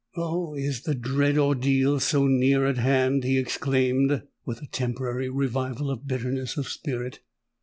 "Oh! is the dread ordeal so near at hand?" he exclaimed, with a temporary revival of bitterness of spirit.